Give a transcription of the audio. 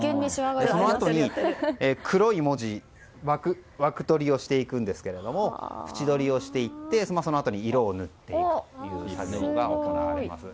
そのあとに黒い文字枠取りをしてくんですけれども縁取りをしていってそのあとに色を塗っていく作業が行われます。